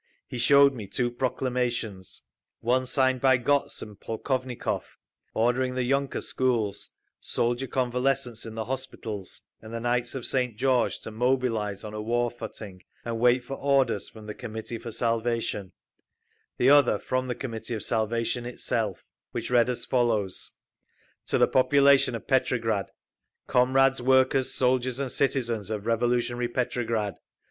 He showed me two proclamations, one signed by Gotz and Polkovnikov, ordering the yunker schools, soldier convalescents in the hospitals, and the Knights of St. George to mobilise on a war footing and wait for orders from the Committee for Salvation; the other from the Committee for Salvation itself, which read as follows: To the Population of Petrograd! Comrades, workers, soldiers and citizens of revolutionary Petrograd!